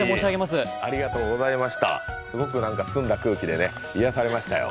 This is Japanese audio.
すごく澄んだ空気で癒やされましたよ。